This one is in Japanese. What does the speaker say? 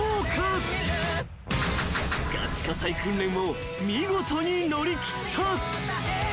［がち火災訓練を見事に乗り切った］